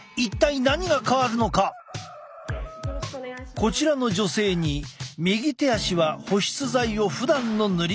こちらの女性に右手足は保湿剤をふだんの塗り方で。